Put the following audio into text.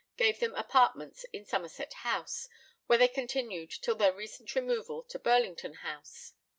gave them apartments in Somerset House, where they continued till their recent removal to Burlington House.